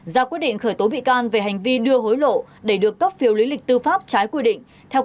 ra quyết định khởi tố bị can về hành vi đưa hối lộ để được cấp phiếu lý lịch tư pháp trái quy định